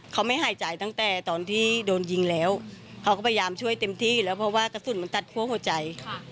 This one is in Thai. เขาไม่หายใจตั้งแต่ตอนที่โดนยิงแล้วเขาก็พยายามช่วยเต็มที่แล้วเพราะว่ากระสุนมันตัดคั่วหัวใจ